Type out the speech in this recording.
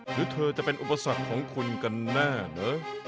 หรือเธอจะเป็นอุปสรรคของคุณกันแน่นะ